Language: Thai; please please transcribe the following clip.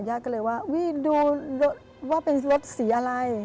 ญาติก็เลยว่าดูว่าเป็นรถสีอะไร